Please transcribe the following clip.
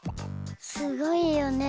すごいよね。